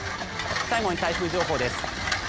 最後に台風情報です。